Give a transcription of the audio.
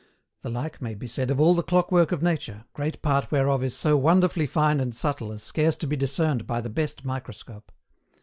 The like may be said of all the clockwork of nature, great part whereof is so wonderfully fine and subtle as scarce to be discerned by the best microscope.